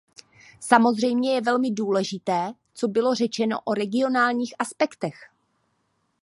Samozřejmě je velmi důležité, co bylo řečeno o regionálních aspektech.